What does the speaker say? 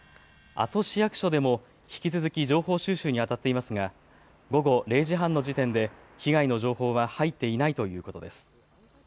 阿蘇市役所でも引き続き情報収集にあたっていますが午後０時半の時点で被害の情報は入っていないということです。